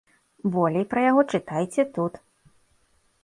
Болей пра яго чытайце тут.